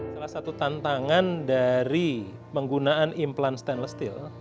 salah satu tantangan dari penggunaan implan stainless steel